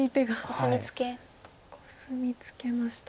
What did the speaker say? コスミツケました。